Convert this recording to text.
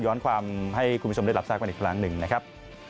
ความให้คุณผู้ชมได้รับทราบกันอีกครั้งหนึ่งนะครับ